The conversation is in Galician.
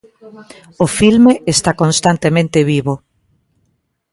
O filme está constantemente vivo.